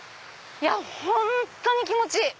本当に気持ちいい！